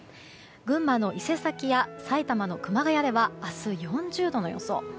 群馬の伊勢崎や埼玉の熊谷では明日、４０度の予想。